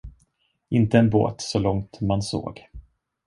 Inte en båt så långt man såg.